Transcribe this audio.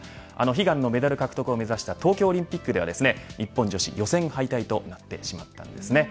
悲願のメダル獲得を目指した東京オリンピックでは日本女子、予選敗退となってしまったんですね。